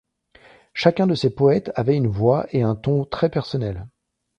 Chacun de ces poètes avait une voix et un ton très personnels.